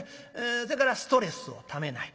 それからストレスをためない。